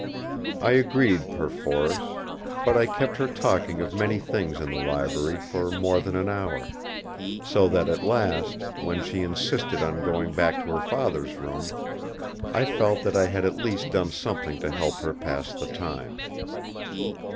I agreed perforce; but I kept her talking of many things in the library for more than an hour; so that at last, when she insisted on going back to her father's room I felt that I had at least done something to help her pass the time.